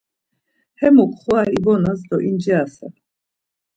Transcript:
Hemuk xura ibonas do incirasen.